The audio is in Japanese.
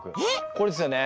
これですよね？